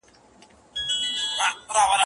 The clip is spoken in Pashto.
وږمه ځي تر ارغوانه پښه نيولې